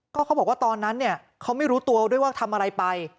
ก็เขาบอกว่าตอนนั้นเนี่ยเขาไม่รู้ตัวด้วยว่าทำอะไรไป